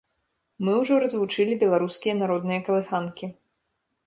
Мы ўжо развучылі беларускія народныя калыханкі.